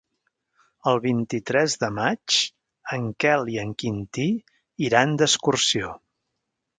El vint-i-tres de maig en Quel i en Quintí iran d'excursió.